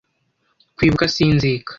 Kwibuka si inzika